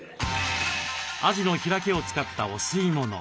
アジの開きを使ったお吸い物。